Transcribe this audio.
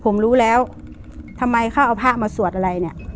ผมรู้แล้วทำไมเขาเอาพระมาสวดอะไรเนี่ย